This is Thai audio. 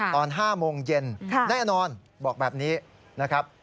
ตอน๕โมงเย็นแน่นอนบอกแบบนี้นะครับ